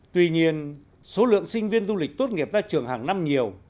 tuy nhiên số lượng sinh viên du lịch tốt nghiệp ra trường hàng năm nhiều